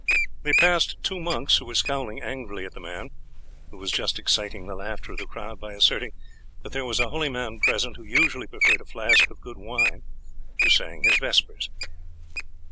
They passed two monks, who were scowling angrily at the man, who was just exciting the laughter of the crowd by asserting that there was a holy man present who usually preferred a flask of good wine to saying his vespers.